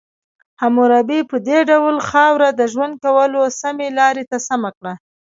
حموربي په دې ډول خاوره د ژوند کولو سمې لارې ته سمه کړه.